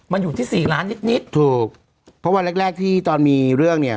มันอยู่ที่สี่ล้านนิดนิดถูกเพราะวันแรกแรกที่ตอนมีเรื่องเนี่ย